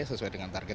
sesuai dengan target